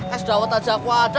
es dawet aja aku ada